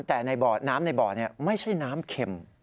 แต่ในบ่อน้ำในบ่อไม่ใช่น้ำเข็ม